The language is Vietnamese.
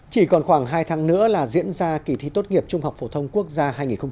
chỉ còn khoảng hai tháng nữa là diễn ra kỳ thi tốt nghiệp trung học phổ thông quốc gia hai nghìn hai mươi